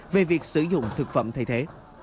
về việc sử dụng thực phẩm thay thế